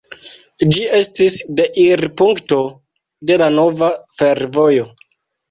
Ĝi estis deirpunkto de la nova fervojo.